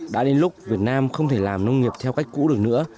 đã đến lúc việt nam không thể làm nông nghiệp theo cách cũ được nữa